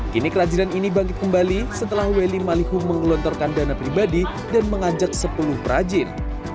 kini kerajinan ini bangkit kembali setelah welly malikung menggelontorkan dana pribadi dan mengajak sepuluh perajin